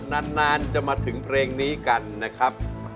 นานจะมาถึงเพลงนี้กันนะครับ